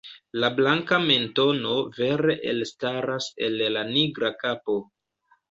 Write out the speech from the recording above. La blanka mentono vere elstaras el la nigra kapo.